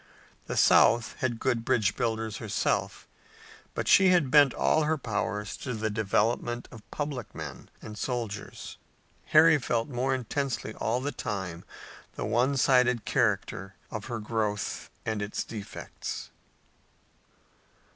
The South had good bridge builders herself, but she had bent all her powers to the development of public men and soldiers. Harry felt more intensely all the time the one sided character of her growth and its defects.